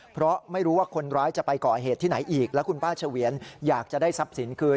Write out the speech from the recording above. เพราะไม่รู้ว่าคนร้ายจะไปก่อเหตุที่ไหนอีกแล้วคุณป้าเฉวียนอยากจะได้ทรัพย์สินคืน